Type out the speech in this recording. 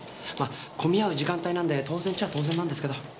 混み合う時間帯なんで当然っちゃ当然なんですけど。